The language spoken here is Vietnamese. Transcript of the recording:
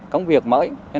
công việc mới